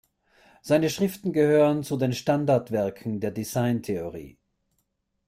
Seine Schriften gehören zu den Standardwerken der Designtheorie.